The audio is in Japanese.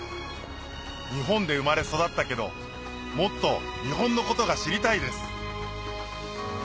日本で生まれ育ったけどもっと日本のことが知りたいです